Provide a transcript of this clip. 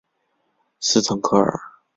斯滕克尔。